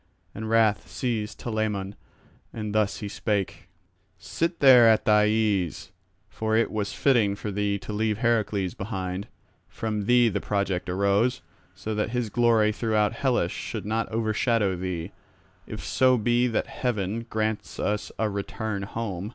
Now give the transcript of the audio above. And wrath seized Telamon, and thus he spake: "Sit there at thy ease, for it was fitting for thee to leave Heracles behind; from thee the project arose, so that his glory throughout Hellas should not overshadow thee, if so be that heaven grants us a return home.